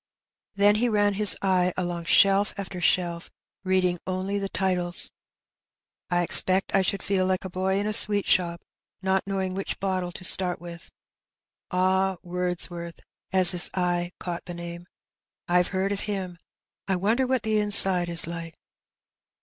^' Then he ran his eye along shelf after shelf, reading only the titles. I expect I should feel like a boy in a sweet shop, not « Eecognition. 251 knowing which bottle to start with. Ah, Wordsworth !" as his eye caught the name. '^Vve heard of him. I wonder what the inside is like